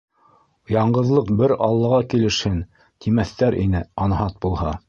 Яңғыҙлыҡ бер аллаға килешһен, тимәҫтәр ине, анһат булһа.